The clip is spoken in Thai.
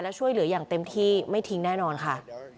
และช่วยเหลืออย่างเต็มที่ไม่ทิ้งแน่นอนค่ะ